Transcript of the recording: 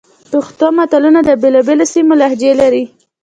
پښتو متلونه د بېلابېلو سیمو لهجې لري